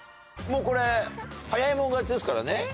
もうこれ早い者勝ちですからね。